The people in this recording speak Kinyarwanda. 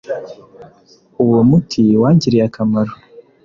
Uwo muti wangiriye akamaro